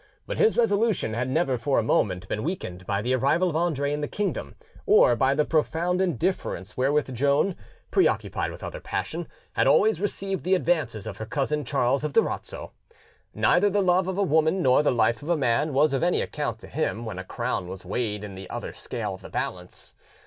But his resolution had never for a moment been weakened by the arrival of Andre in the kingdom, or by the profound indifference wherewith Joan, preoccupied with other passion, had always received the advances of her cousin Charles of Durazzo. Neither the love of a woman nor the life of a man was of any account to him when a crown was weighed in the other scale of the balance.